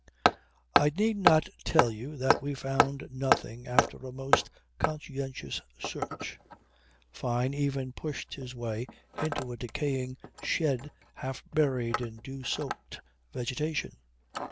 I need not tell you that we found nothing after a most conscientious search. Fyne even pushed his way into a decaying shed half buried in dew soaked vegetation.